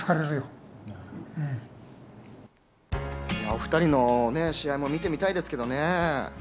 お２人の試合も見てみたいですけどね。